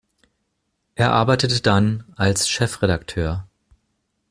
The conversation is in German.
Er arbeitete dann als Chefredakteur.